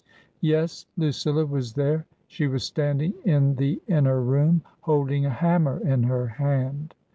Yes, Lucilla was there ; she was standing in the inner room, holding a hammer in her hand.